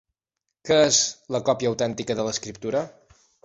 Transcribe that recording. Què és la còpia autèntica de l'escriptura?